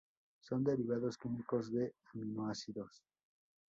Son derivados químicos de aminoácidos.